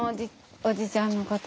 おじちゃんのこと。